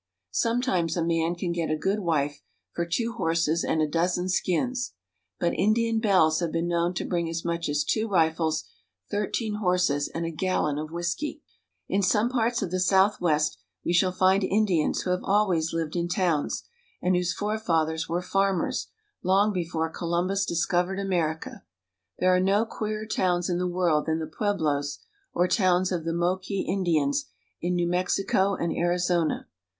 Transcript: Sometimes a man can get a good wife for two horses and a dozen skins ; but Indian belles have been known to bring as much as two rifles, thirteen horses, and a gallon of whisky. In some parts of the Southwest we shall find Indians who have always lived in towns, and whose forefathers were farmers long before Columbus discovered America. There are no queerer towns in the world than the pueblos or towns of the Moqui Indians in New Mexico and Ari zona.